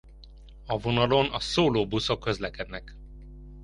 A vonalon a szóló buszok közlekednek.